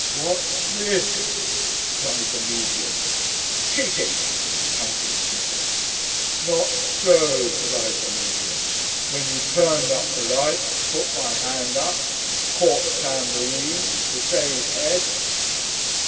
"What's this?" cried the Medium. "Cheating," panted Smithers. "Not so," cried the Medium. "When you turned up the light ... put my hand up ... caught tambourine ... to save head."